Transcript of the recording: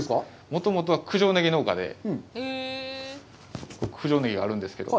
もともとは９条ねぎ農家で、９条ねぎがあるんですけど。